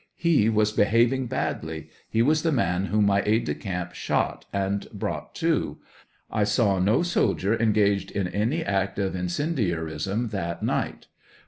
He was behaving badly ; he was the man whom my aide de camp shot and brought to ; I saw no sol dier engaged in any act of incendiarism that night.